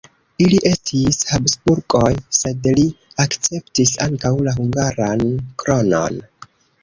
Ili estis Habsburgoj, sed li akceptis ankaŭ la hungaran kronon.